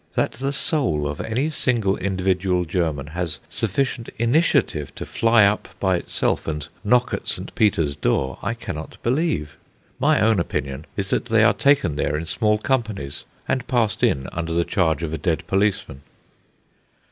That the soul of any single individual German has sufficient initiative to fly up by itself and knock at St. Peter's door, I cannot believe. My own opinion is that they are taken there in small companies, and passed in under the charge of a dead policeman.